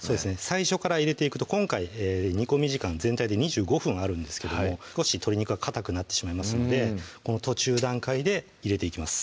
最初から入れていくと今回煮込み時間全体で２５分あるんですけども少し鶏肉がかたくなってしまいますのでこの途中段階で入れていきます